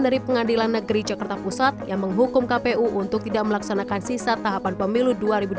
dari pengadilan negeri jakarta pusat yang menghukum kpu untuk tidak melaksanakan sisa tahapan pemilu dua ribu dua puluh